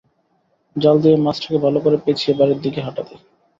জাল দিয়ে মাছ টাকে ভালো করে পেঁচিয়ে বাড়ির দিকে হাঁটা দেয়।